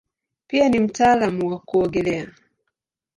Pia ni mtaalamu wa kuogelea.